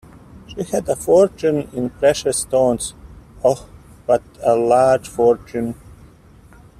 She had a fortune in precious stones — oh, but a large fortune!